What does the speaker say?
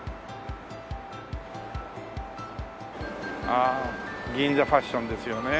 ああ銀座ファッションですよね。